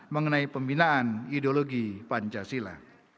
mengenai pembinaan ideologi pancasila